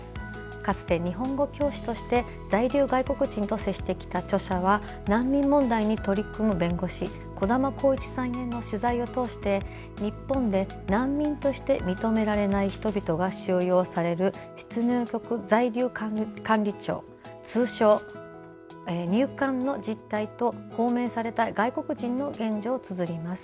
かつて、日本語教師として在留外国人と接してきた著者は難民問題に取り組む弁護士児玉晃一さんへの取材を通して日本で難民として認められない人々が収容される出入国在留管理庁通称、入管の実態と放免された外国人の現状をつづります。